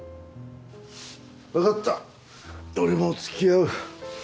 わかった俺も付き合う。